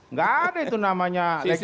nggak ada itu namanya